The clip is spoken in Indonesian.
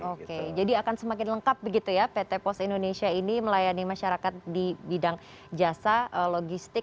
oke jadi akan semakin lengkap begitu ya pt pos indonesia ini melayani masyarakat di bidang jasa logistik